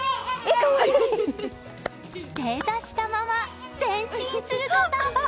正座したまま前進すること。